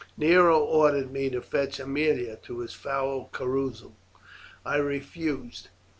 "Nero ordered me to fetch Aemilia to his foul carousal. I refused.